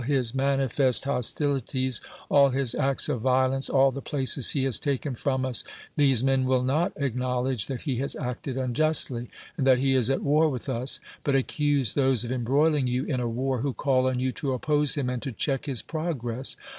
his manifest hostili THE WORLD'S FAMOUS ORATIONS ties, all his acts of violence, all the places he has taken from us, these men will not acknowl edge that he has acted unjustly, and that he is at war with us, but accuse those of embroiling you in a war who call on you to oppose him and to check his progress?